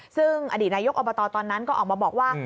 ซึ่งอดีตนายกอบตตอนนั้นก็ออกมาบอกว่า